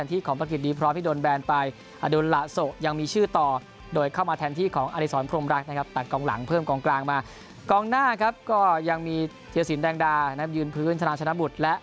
ทีมผู้ผู้จัดเริ่มถึงพร้อมที่โดนแบนไป